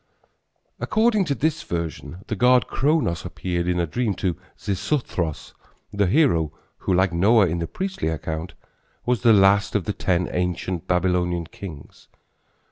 According to this version the god Kronos appeared in a dream to Xisuthros, the hero, who, like Noah in the priestly account, was the last of the ten ancient Babylonian kings.